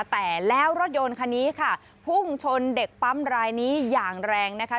แต่แล้วรถยนต์คันนี้ค่ะพุ่งชนเด็กปั๊มรายนี้อย่างแรงนะคะ